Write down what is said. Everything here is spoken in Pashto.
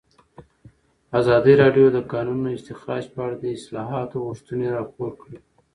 ازادي راډیو د د کانونو استخراج په اړه د اصلاحاتو غوښتنې راپور کړې.